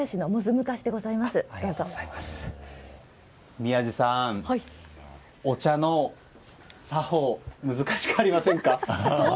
宮司さん、お茶の作法難しくありませんか？